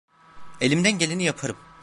Elimden geleni yaparım.